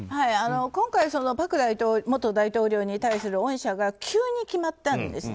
今回、朴元大統領に対する恩赦が急に決まったんですね。